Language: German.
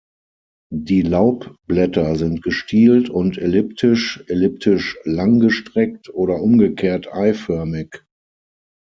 Die Laubblätter sind gestielt und elliptisch, elliptisch-langgestreckt oder umgekehrt eiförmig.